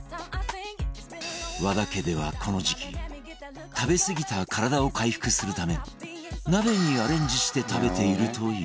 和田家ではこの時期食べすぎた体を回復するため鍋にアレンジして食べているという